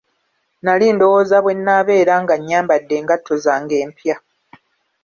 Nali ndowooza bwe nnabeera nga nyambadde engatto zange empya.